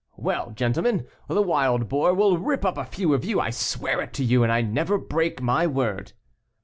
Well, gentlemen, the wild boar will rip up a few of you; I swear it to you, and I never break my word."